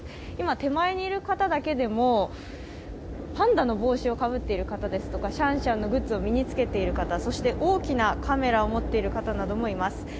今、手前にいる方だけでもパンダの帽子をかぶっている方やシャンシャンのグッズを身に着けている方、そして大きなカメラを持っている方などもいます。